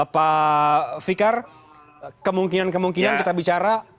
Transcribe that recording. pak fikar kemungkinan kemungkinan kita bicara